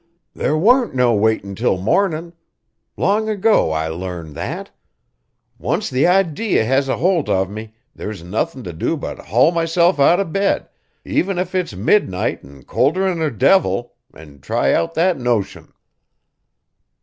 There warn't no waitin' 'til mornin'! Long ago I learned that. Once the idee has a holt of me there's nothin' to do but haul myself out of bed, even if it's midnight an' colder'n the devil, an' try out that notion."